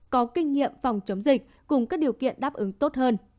có kinh nghiệm phòng chống dịch cùng các điều kiện đáp ứng tốt hơn